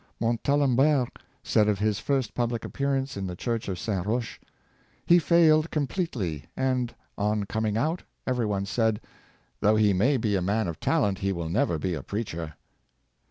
Montalembert said of his first public appearance in the Church of St. Roche: "He failed completely, and, on coming out, every one said, ' Though he may be a man of talent, he will never be a preacher.'